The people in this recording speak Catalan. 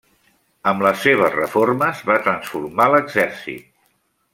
Amb les seves reformes va transformar l'exèrcit.